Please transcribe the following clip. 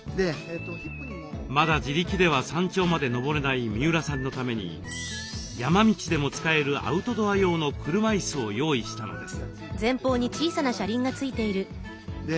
まだ自力では山頂まで登れない三浦さんのために山道でも使えるアウトドア用の車いすを用意したのです。